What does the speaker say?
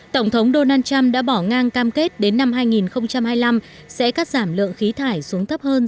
tổng thống donald trump đã bỏ ngang cam kết đến năm hai nghìn hai mươi năm sẽ cắt giảm lượng khí thải xuống thấp hơn